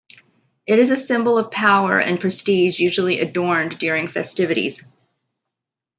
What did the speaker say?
It is a symbol of power and prestige usually adorned during festivities.